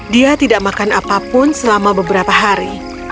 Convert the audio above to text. dia tidak makan apapun selama beberapa hari